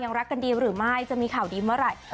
รักกันดีหรือไม่จะมีข่าวดีเมื่อไหร่